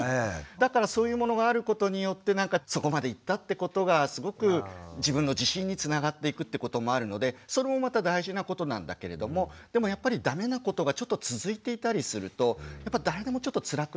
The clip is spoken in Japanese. だからそういうものがあることによってそこまでいったってことがすごく自分の自信につながっていくってこともあるのでそれもまた大事なことなんだけれどもでもやっぱり駄目なことがちょっと続いていたりすると誰でもちょっとつらくなってくるので。